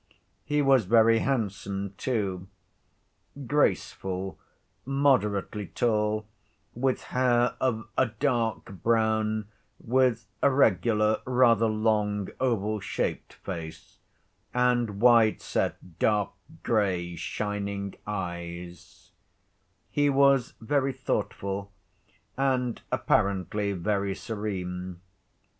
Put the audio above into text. He was very handsome, too, graceful, moderately tall, with hair of a dark brown, with a regular, rather long, oval‐shaped face, and wide‐set dark gray, shining eyes; he was very thoughtful, and apparently very serene.